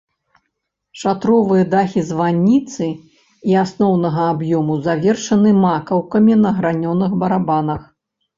Шатровыя дахі званіцы і асноўнага аб'ёму завершаны макаўкамі на гранёных барабанах.